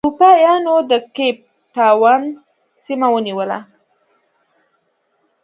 اروپا یانو د کیپ ټاون سیمه ونیوله.